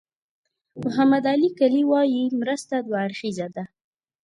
محمد علي کلي وایي مرسته دوه اړخیزه ده.